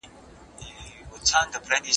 موږ باید احتیاط وکړو.